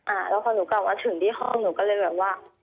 อ่าแล้วพอหนูกลับมาถึงที่ห้องหนูก็เลยแบบว่า